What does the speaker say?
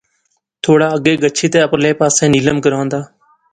تھوڑا اگے گچھی تہ اپرلے پاسے نیلم گراں دا